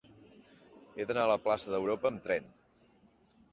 He d'anar a la plaça d'Europa amb tren.